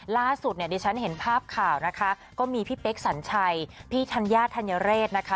ล่าสุดเนี่ยดิฉันเห็นภาพข่าวนะคะก็มีพี่เป๊กสัญชัยพี่ธัญญาธัญเรศนะคะ